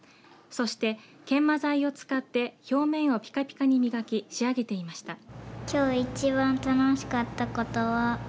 そして、研磨剤を使って表面をピカピカに磨き仕上げていました。